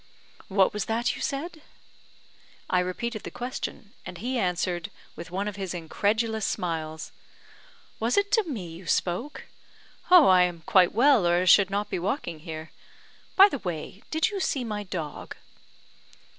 "What was that you said?" I repeated the question; and he answered, with one of his incredulous smiles "Was it to me you spoke? Oh, I am quite well, or I should not be walking here. By the way, did you see my dog?"